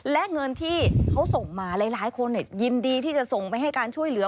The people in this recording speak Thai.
และเงินที่เขาส่งมาหลายคนยินดีที่จะส่งไปให้การช่วยเหลือ